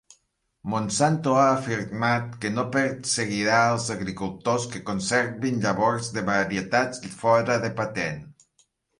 Monsanto ha afirmat que no perseguirà els agricultors que conservin llavors de varietats fora de patent.